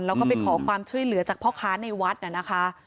แล้วก็ไปขอความช่วยเหลือจากพ่อค้าในวัดน่ะนะคะ